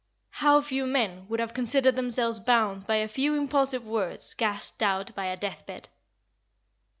How few men would have considered themselves bound by a few impulsive words gasped out by a death bed!